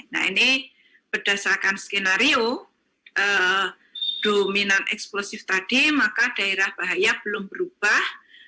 nah ini berdasarkan skenario dominan eksplosif tadi maka daerah bahaya belum berubah